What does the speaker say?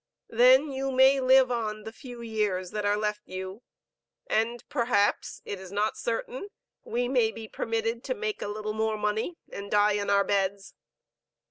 Then you may live on the few years that are left you, and perhaps it is not certain we may be permitted to make a little more money and die in our beds.